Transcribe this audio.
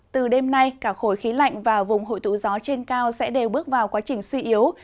từ đêm nay cả khối khí lạnh và vùng hội tụ gió trên cao sẽ đều bước vào quá trình suy yếu